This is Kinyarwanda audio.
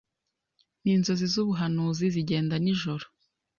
ninzozi zubuhanuzi zigenda nijoro